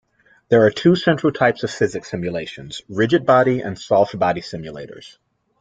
There are two central types of physics simulations; rigid body and soft-body simulators.